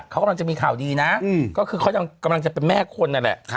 เขากำลังจะมีข่าวดีนะก็คือเขากำลังจะเป็นแม่คนนั่นแหละ